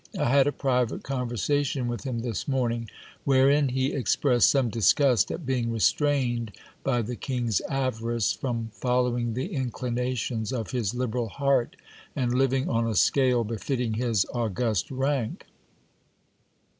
I had a private conversation with him this morning, wherein he expressed some disgust at being restrained by the king's avarice from following the inclinations of his liberal heart, and living on a scale befitting his august rank.